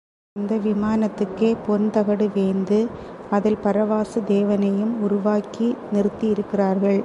அந்த விமானத்துக்கே பொன் தகடு வேய்ந்து அதில் பரவாசு தேவனையும் உருவாக்கி நிறுத்தியிருக்கிறார்கள்.